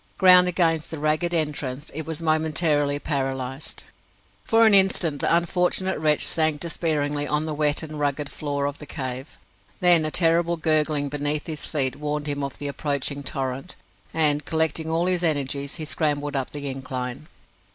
Ground against the ragged entrance, it was momentarily paralysed. For an instant the unfortunate wretch sank despairingly on the wet and rugged floor of the cave; then a terrible gurgling beneath his feet warned him of the approaching torrent, and, collecting all his energies, he scrambled up the incline.